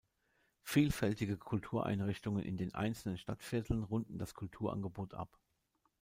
Vielfältige Kultureinrichtungen in den einzelnen Stadtvierteln runden das Kulturangebot ab.